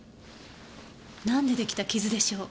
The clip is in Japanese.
なんで出来た傷でしょう？